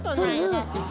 だってさ。